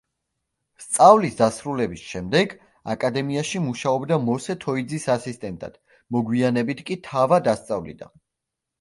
სწავლის დასრულების შემდეგ აკადემიაში მუშაობდა მოსე თოიძის ასისტენტად, მოგვიანებით კი თავად ასწავლიდა.